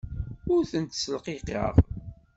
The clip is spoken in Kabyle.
Ur tent-ssilqiqeɣ.